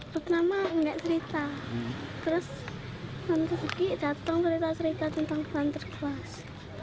pertama enggak cerita terus nanti pergi datang cerita cerita tentang sinterkas